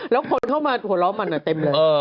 แล้วคนเข้ามาหัวเราะมันเต็มเลย